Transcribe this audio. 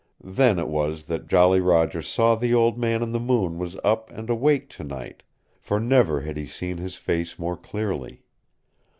Then it was that Jolly Roger saw the Old Man in the Moon was up and awake tonight, for never had he seen his face more clearly.